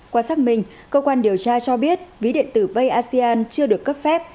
qua xác minh cơ quan điều tra cho biết ví điện tử payasian chưa được cấp phép